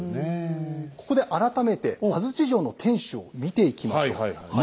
ここで改めて安土城の天主を見ていきましょう。